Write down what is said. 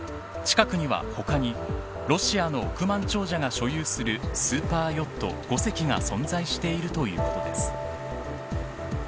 近くには他にロシアの億万長者が所有するスーパーヨット５隻が存在しているということです。